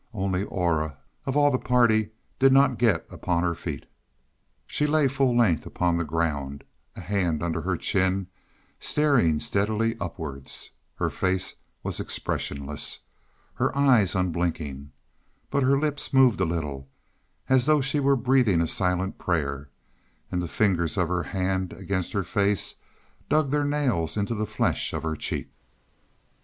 Only Aura, of all the party, did not get upon her feet. She lay full length upon the ground, a hand under her chin, staring steadily upwards. Her face was expressionless, her eyes unblinking. But her lips moved a little, as though she were breathing a silent prayer, and the fingers of her hand against her face dug their nails into the flesh of her cheek.